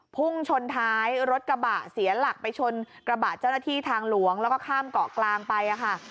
พุ่งชนท้ายรถกระบะเสียหลักไปชนกระบะเจ้าหน้าที่ทางหลวงแล้วก็ข้ามเกาะกลางไปค่ะ